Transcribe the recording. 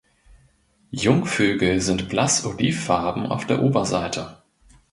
Jungvögel sind blass olivfarben auf der Oberseite.